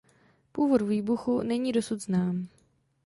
Původ výbuchu není dosud znám.